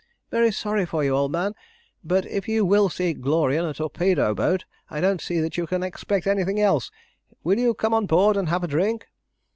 "Very sorry for you, old man; but if you will seek glory in a torpedo boat, I don't see that you can expect anything else. Will you come on board and have a drink?"